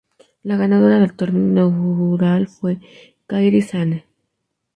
La ganadora del torneo inaugural fue Kairi Sane.